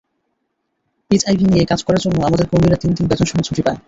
HIV নিয়ে কাজ করার জন্য আমাদের কর্মীরা তিন দিন বেতনসহ ছুটি পায়।